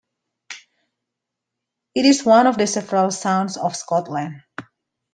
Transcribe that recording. It is one of the several Sounds of Scotland.